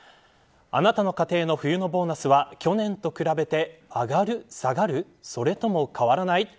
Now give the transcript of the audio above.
あなたの家庭の冬のボーナスは去年と比べて、上がる下がるそれとも変わらない。